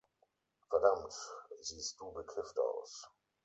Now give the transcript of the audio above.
Verdammt, siehst Du bekifft aus!